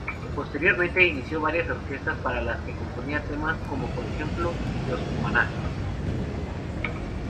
Posteriormente, inició varias orquestas para las cuales componía temas, como por ejemplo Los Cumaná.